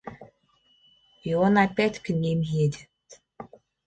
И он опять к ним едет.